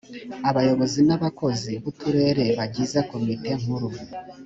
abayobozi n’ abakozi b uturere bagize komite nkuru